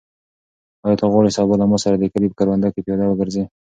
آیا ته غواړې سبا له ما سره د کلي په کروندو کې پیاده وګرځې؟